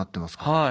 はい。